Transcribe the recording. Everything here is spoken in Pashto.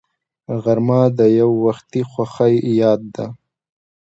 غرمه د یووختي خوښۍ یاد ده